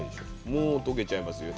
もう溶けちゃいますよ。